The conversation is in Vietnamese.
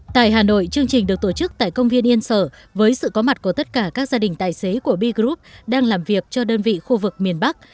tại hà nội chương trình được tổ chức tại công viên yên sở với sự có mặt của tất cả các gia đình tài xế của b group đang làm việc cho đơn vị khu vực miền bắc